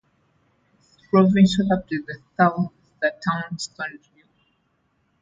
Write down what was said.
Its provincial capital is the town Sondrio.